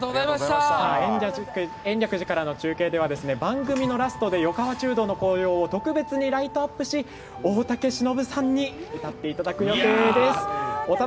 延暦寺からの中継では番組のラストで横川中堂の紅葉を特別にライトアップし大竹しのぶさんに歌っていただく予定です。